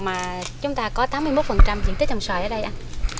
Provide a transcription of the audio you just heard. mà chúng ta có tám mươi một diện tích trồng xoài ở đây